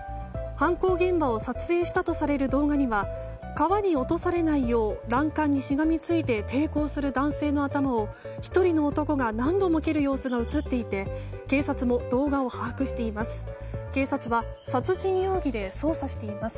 犯行現場を撮影したとされる動画には川に落とされないよう欄干にしがみついて抵抗する男性の頭を１人の男が何度も蹴る様子が映っていて警察も動画を把握しています。